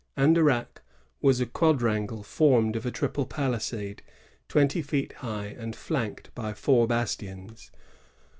Andaiaqu^ was a quadrangle formed of a triple palisade, twenty feet high, and flanked by four bastions.